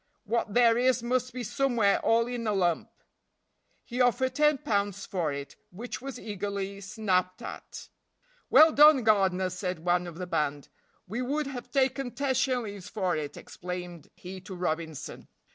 "What there is must be somewhere all in a lump." He offered ten pounds for it, which was eagerly snapped at. "Well done, Gardiner," said one of the band. "We would have taken ten shillings for it," explained he to Robinson.